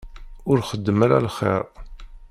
Ur xeddem ala lxir.